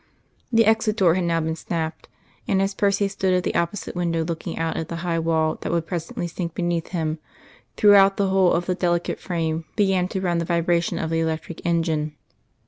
The exit door had now been snapped, and as Percy stood at the opposite window looking out at the high wall that would presently sink beneath him, throughout the whole of the delicate frame began to run the vibration of the electric engine.